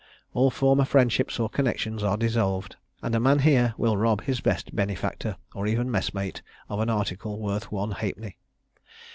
All former friendships or connexions are dissolved, and a man here will rob his best benefactor, or even messmate, of an article worth one halfpenny.